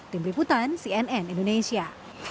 tim liputan cnn indonesia